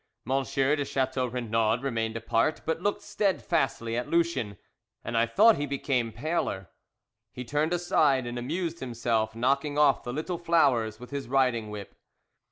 Monsieur de Chateau Renaud remained apart, but looked steadfastly at Lucien, and I thought he became paler. He turned aside and amused himself knocking off the little flowers with his riding whip.